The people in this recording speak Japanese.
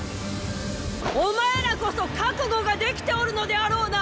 お前らこそ覚悟ができておるのであろうな！